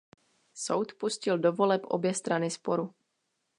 Soud pustil do voleb obě strany sporu.